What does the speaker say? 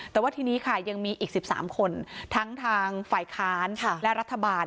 แต่ว่าทีนี้ค่ะยังมีอีก๑๓คนทั้งทางฝ่ายค้านและรัฐบาล